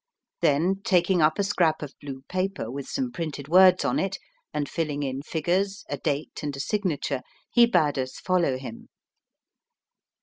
Then, taking up a scrap of blue paper with some printed words on it, and filling in figures, a date, and a signature, he bade us follow him.